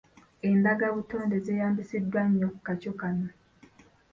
Enddagabutonde zeeyambisiddwa nnyo mu kakyo kano.